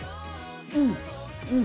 うんうん！